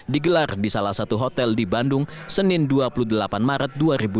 digelar di salah satu hotel di bandung senin dua puluh delapan maret dua ribu dua puluh